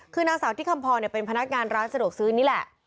คือนางสาวที่คำพรเป็นพนักงานร้านสะดวกซื้อนี่แหละ